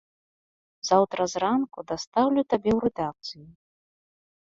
Заўтра зранку дастаўлю табе ў рэдакцыю.